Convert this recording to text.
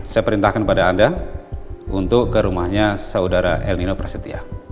saya perintahkan kepada anda untuk ke rumahnya saudara el nino prasetya